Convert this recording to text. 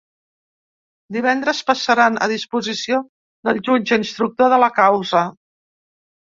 Divendres passaran a disposició del jutge instructor de la causa.